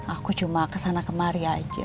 aku cuma kesana kemari aja